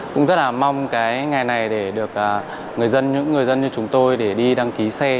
cũng rất là mong cái ngày này để được người dân như chúng tôi để đi đăng ký xe